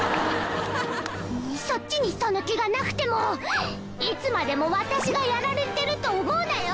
そっちにその気がなくてもいつまでも私がやられてると思うなよ！